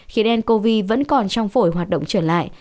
khí ncov vẫn còn trong phổi hoạt động trở lại